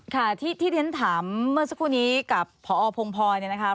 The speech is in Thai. ค่ะที่เรียนถามเมื่อสักครู่นี้กับพอพงพรเนี่ยนะคะ